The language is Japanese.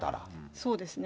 そうですね。